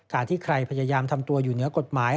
ที่ใครพยายามทำตัวอยู่เหนือกฎหมาย